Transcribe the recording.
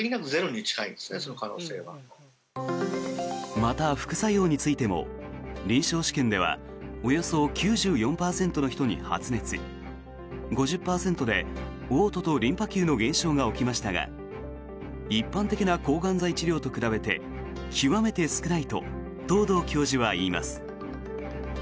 また、副作用についても臨床試験ではおよそ９４％の人に発熱５０％でおう吐とリンパ球の減少が起きましたが一般的な抗がん剤治療と比べて極めて少ないと藤堂教授は言います。